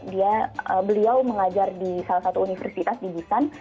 dia beliau mengajar di salah satu universitas di bisan